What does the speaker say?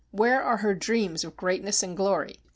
Where are her dreams of greatness and glory?